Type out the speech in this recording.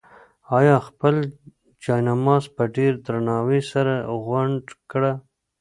انا خپل جاینماز په ډېر درناوي سره غونډ کړ.